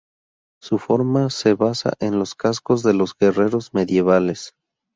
Su forma se basa en los cascos de los guerreros medievales.